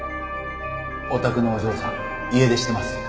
お宅のお嬢さん家出してます？